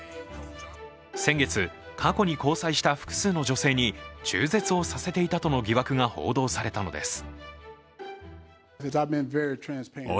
先月、過去に交際した複数の女性に中絶をさせていたとの疑惑が報道されたのです。